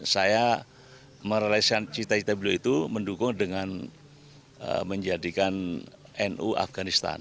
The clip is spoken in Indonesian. saya mereleskan cita cita beliau itu mendukung dengan menjadikan nu afganistan